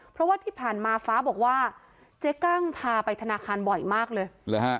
เพราะว่าที่ผ่านมาฟ้าบอกว่าเจ๊กั้งพาไปธนาคารบ่อยมากเลย